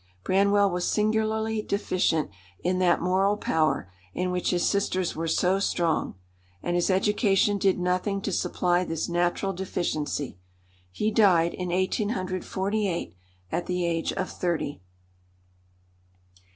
Branwell was singularly deficient in that moral power in which his sisters were so strong, and his education did nothing to supply this natural deficiency. He died in 1848, at the age of thirty.